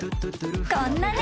［こんな猫］